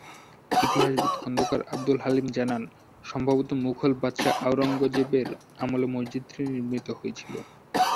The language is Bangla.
ইতিহাসবিদ খোন্দকার আবদুল হালিম জানান, সম্ভবত মুঘল বাদশা আওরঙ্গজেবের আমলে মসজিদটি নির্মিত হয়েছিলো।